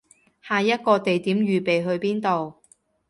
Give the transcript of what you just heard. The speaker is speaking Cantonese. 下一個地點預備去邊度